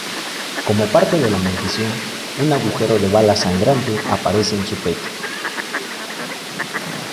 Como parte de la maldición, un agujero de bala sangrante aparece en su pecho.